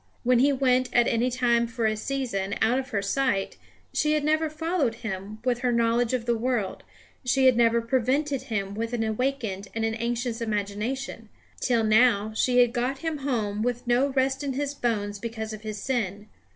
When he went at any time for a season out of her sight, she had never followed him with her knowledge of the world; she had never prevented him with an awakened and an anxious imagination; till now she had got him home with no rest in his bones because of his sin.